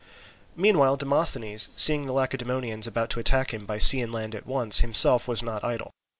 Meanwhile Demosthenes, seeing the Lacedaemonians about to attack him by sea and land at once, himself was not idle.